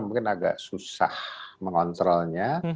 mungkin agak susah mengontrolnya